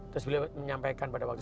terus beliau menyampaikan pada waktu itu